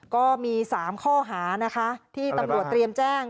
ก็มี๓ข้อหานะคะที่ตำรวจเตรียมแจ้ง